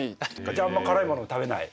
じゃああんま辛いもの食べない？